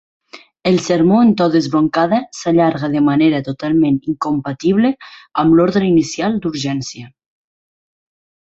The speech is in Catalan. El sermó en to d'esbroncada s'allarga de manera totalment incompatible amb l'ordre inicial d'urgència.